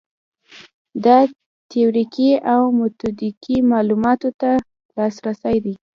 دا تیوریکي او میتودیکي معلوماتو ته لاسرسی دی.